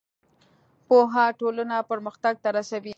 پوهه ټولنه پرمختګ ته رسوي.